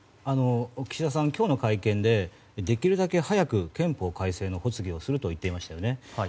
岸田さん、今日の会見でできるだけ早く憲法改正の発議をすると言っていましたね。